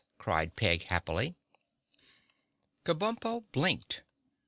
cried Peg happily. Kabumpo blinked.